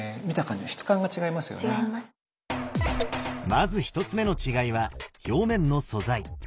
まず１つ目の違いは表面の素材。